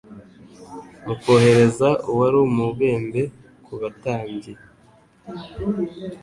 Mu kohereza uwari umubembe ku batambyi,